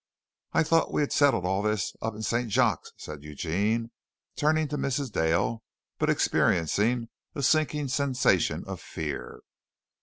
"I thought we settled all this up in St. Jacques?" said Eugene, turning to Mrs. Dale, but experiencing a sinking sensation of fear.